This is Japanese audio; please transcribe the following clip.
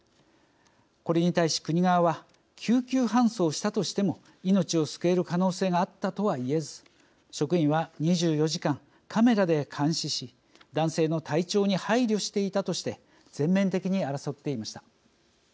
これに対し国側は救急搬送したとしても命を救える可能性があったとはいえず職員は２４時間カメラで監視し男性の体調に配慮していたとして全面的に争っていました。